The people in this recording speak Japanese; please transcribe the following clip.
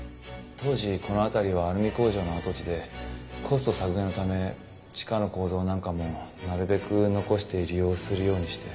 当時この辺りはアルミ工場の跡地でコスト削減のため地下の構造なんかもなるべく残して利用するようにして。